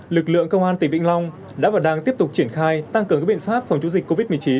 lực lượng công an tỉnh vĩnh long đã và đang tiếp tục triển khai tăng cường các biện pháp phòng chống dịch covid một mươi chín